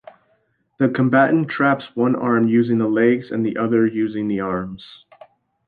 The combatant traps one arm using the legs, and the other using the arms.